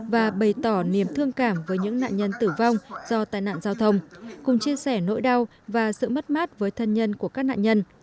và bày tỏ niềm thương cảm với những nạn nhân tử vong do tai nạn giao thông cùng chia sẻ nỗi đau và sự mất mát với thân nhân của các nạn nhân